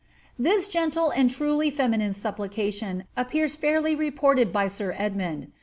This gentle and truly feminine supplication appears fairly reported by sir Edmund.